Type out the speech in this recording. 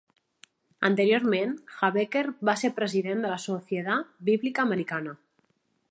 Anteriorment, Habecker va ser president de la Sociedad Bíblica Americana.